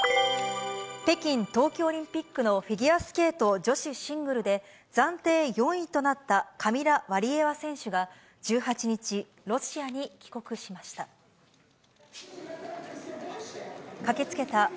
北京冬季オリンピックのフィギュアスケート女子シングルで、暫定４位となったカミラ・ワリエワ選手が１８日、ロシアに帰国しました。